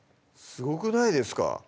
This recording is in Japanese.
すごくないですか？